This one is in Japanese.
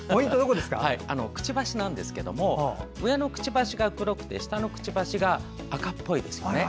くちばしなんですけど上のくちばしが黒くて下のくちばしが赤っぽいですよね。